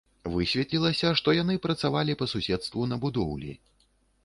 Высветлілася, што яны працавалі па суседству на будоўлі.